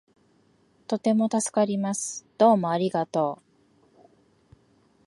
とても助かります。どうもありがとう